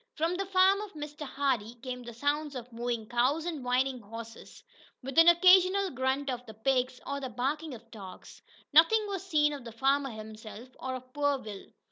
From the farm of Mr. Hardee came the sounds of mooing cows, and whinnying horses, with an occasional grunt of the pigs, or the barking of dogs. Nothing was seen of the farmer himself, or of poor Will.